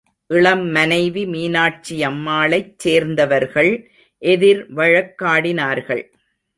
இளம் மனைவி மீனாட்சியம்மாளைச் சேர்ந்தவர்கள் எதிர் வழக்காடினார்கள்.